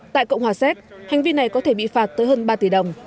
tại cộng hòa séc hành vi này có thể bị phạt tới hơn ba tỷ đồng